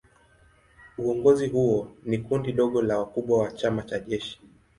Uongozi huo ni kundi dogo la wakubwa wa chama na jeshi.